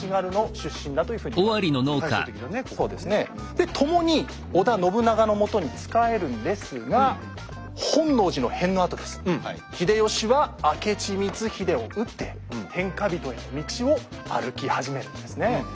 で共に織田信長の下に仕えるんですが本能寺の変のあとです秀吉は明智光秀を討って天下人への道を歩き始めるんですね。